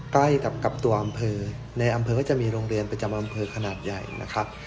ใกล้กับตัวอำเภอในอำเภอก็จะมีโรงเรียนประจำอำเภอขนาดใหญ่นะครับ